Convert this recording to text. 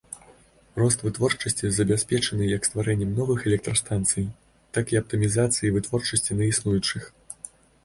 Рост вытворчасці забяспечаны як стварэннем новых электрастанцый, так і аптымізацыяй вытворчасці на існуючых.